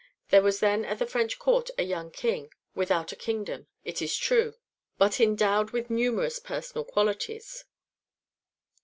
There was then at the French Court a young King, without a kingdom, it is true, but endowed with numerous personal qualities.